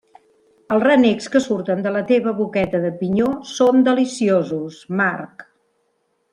Els renecs que surten de la teva boqueta de pinyó són deliciosos, Marc.